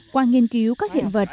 qua nghiên cứu các hiện vật